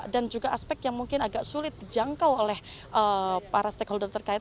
dan juga aspek yang mungkin agak sulit dijangkau oleh para stakeholder terkait